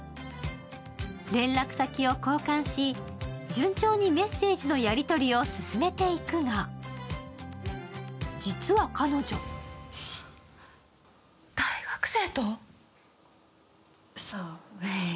連絡先を交換し、順調にメッセージのやりとりを進めていくが、実は彼女そう。